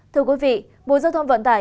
thưa quý vị bộ giao thông vận tải